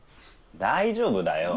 大丈夫だよ。